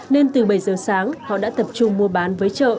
nên từ bảy giờ sáng họ đã tập trung mua bán với chợ